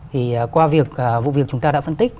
thì qua vụ việc chúng ta đã phân tích